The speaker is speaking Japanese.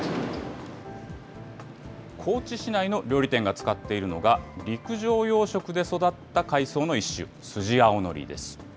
高知市内の料理店が使っているのが、陸上養殖で育った海藻の一種、スジアオノリです。